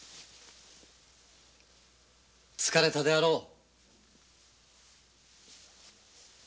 疲れたであろう。